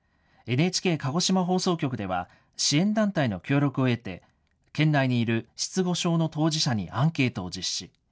ＮＨＫ鹿児島放送局では、支援団体の協力を得て、県内にいる失語症の当事者にアンケートを実施。